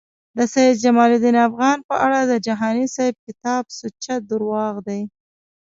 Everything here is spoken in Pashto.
د سید جمالدین افغان په اړه د جهانی صیب کتاب سوچه درواغ دی